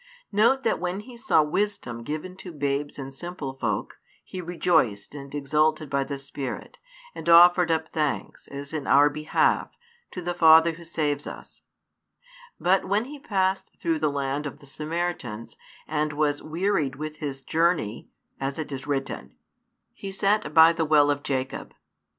Note that when He saw wisdom given to babes and simple folk, He rejoiced and exulted by the Spirit, and offered up thanks, as in our behalf, to the Father Who saves us; but when He passed through the land of the Samaritans, and was wearied with His journey, as it is written, He sat by the well of Jacob.